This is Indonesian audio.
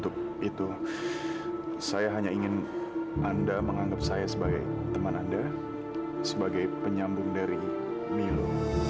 kamu kenal sama milo